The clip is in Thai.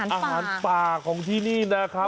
อาหารป่าของที่นี่นะครับ